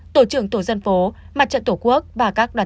tổ trưởng tổ dân phố